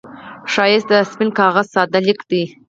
ښایست د سپين کاغذ ساده لیک دی